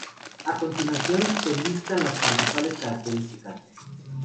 A continuación se listan las principales características.